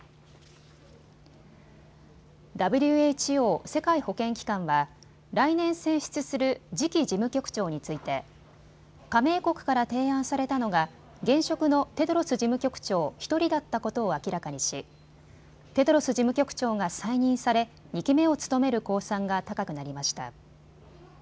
ＷＨＯ・世界保健機関は来年選出する次期事務局長について加盟国から提案されたのが現職のテドロス事務局長１人だったことを明らかにし、テドロス事務局長が再任され２期目を務める公算が高くなりました。